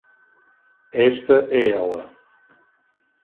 Esta é ela.